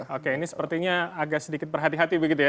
oke ini sepertinya agak sedikit berhati hati begitu ya